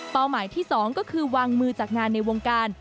หมายที่๒ก็คือวางมือจากงานในวงการ